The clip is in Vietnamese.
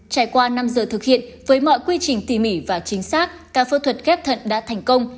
trải qua năm giờ thực hiện với mọi quy trình tỉ mỉ và chính xác ca phẫu thuật ghép thận đã thành công